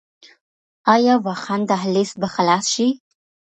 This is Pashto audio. آیا واخان دهلیز به خلاص شي؟